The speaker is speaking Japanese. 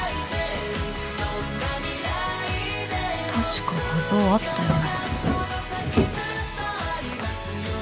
確か画像あったよな